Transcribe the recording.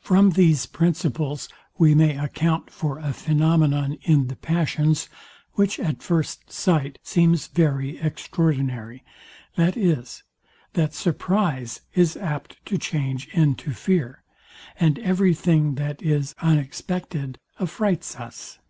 From these principles we may account for a phænomenon in the passions, which at first sight seems very extraordinary, viz, that surprize is apt to change into fear, and every thing that is unexpected affrights us.